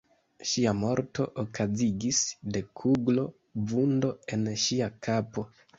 Ŝia morto okazigis de kuglo-vundo en ŝia kapo.